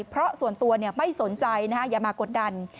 เพราะส่วนตัวไม่สนใจอย่ามากดดัน